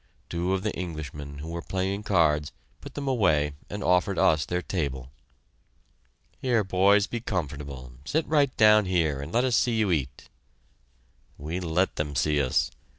Two of the Englishmen, who were playing cards, put them away and offered us their table. "Here, boys, be comfortable; sit right down here and let us see you eat." We let them see us!